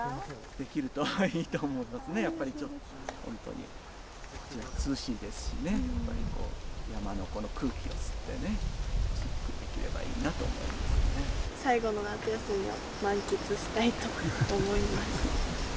できるといいと思いますね、やっぱりちょっと本当に、こっちは涼しいですしね、山の空気を吸ってね、ゆっくりできればいいな最後の夏休みを満喫したいと思います。